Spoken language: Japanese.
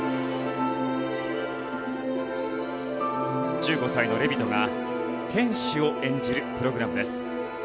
１５歳のレビトが天使を演じるプログラムです。